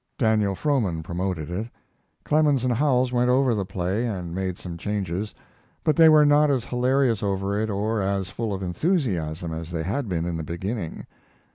Daniel Frohman promoted it. Clemens and Howells went over the play and made some changes, but they were not as hilarious over it or as full of enthusiasm as they had been in the beginning.